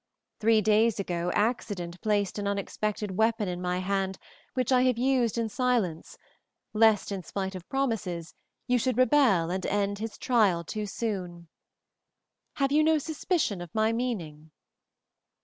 Three days ago accident placed an unexpected weapon in my hand which I have used in silence, lest in spite of promises you should rebel and end his trial too soon. Have you no suspicion of my meaning?"